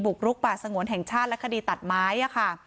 กรุกป่าสงวนแห่งชาติและคดีตัดไม้ค่ะ